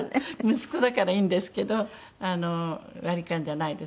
息子だからいいんですけど割り勘じゃないです。